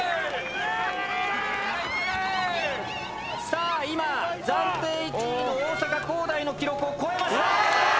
・さあ今暫定１位の大阪工大の記録を超えました。